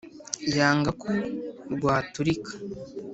yanga ko rwaturika.